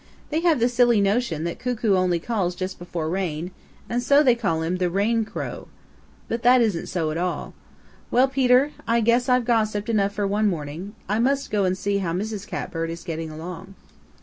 "They have the silly notion that Cuckoo only calls just before rain, and so they call him the Rain Crow. But that isn't so at all. Well, Peter, I guess I've gossiped enough for one morning. I must go see how Mrs. Catbird is getting along."